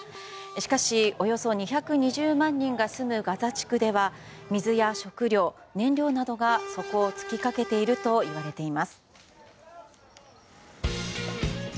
しかし、およそ２２０万人が住むガザ地区では水や食糧、燃料などが底をつきかけているといわれています。